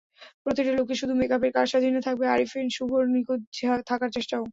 প্রতিটা লুকে শুধু মেকআপের কারসাজি নয়, থাকবে আরিফিন শুভর নিখুঁত থাকার চেষ্টাও।